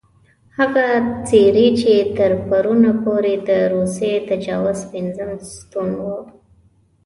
هغه څېرې چې تر پرونه پورې د روسي تجاوز پېنځم ستون وو.